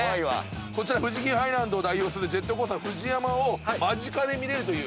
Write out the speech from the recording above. こちら富士急ハイランドを代表するジェットコースターのＦＵＪＩＹＡＭＡを間近で見れるという。